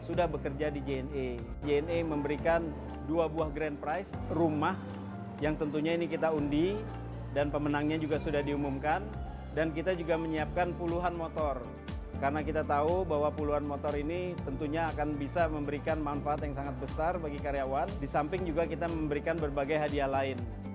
samping juga kita memberikan berbagai hadiah lain